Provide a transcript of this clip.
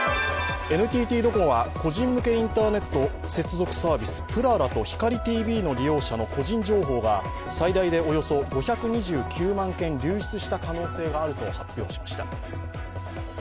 ＮＴＴドコモは個人向けインターネット接続サービス、ぷららとひかりＴＶの個人情報が最大でおよそ５２９万件流出した可能性があると発表しました。